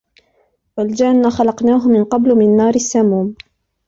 وَالْجَانَّ خَلَقْنَاهُ مِنْ قَبْلُ مِنْ نَارِ السَّمُومِ